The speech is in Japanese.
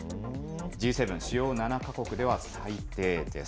Ｇ７・主要７か国では最低です。